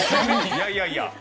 いやいやいや！